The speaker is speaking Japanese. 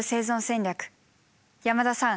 山田さん